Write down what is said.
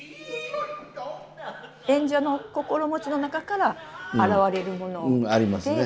演者の心持ちの中から表れるもの。ありますね。